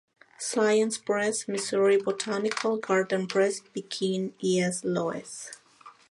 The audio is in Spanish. Science Press y Missouri Botanical Garden Press, Pekín y S. Louis.